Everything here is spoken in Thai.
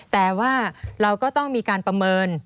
แต่ว่าเราก็ต้องมีการประเมิน